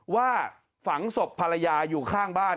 ว่าฝังศพภรรยาอยู่ข้างบ้าน